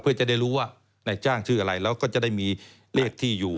เพื่อจะได้รู้ว่านายจ้างชื่ออะไรแล้วก็จะได้มีเลขที่อยู่